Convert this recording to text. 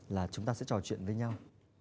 là chúng ta sẽ trò chuyện với nhau